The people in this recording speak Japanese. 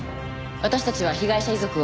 私たちは被害者遺族を。